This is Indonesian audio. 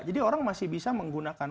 jadi orang masih bisa menggunakan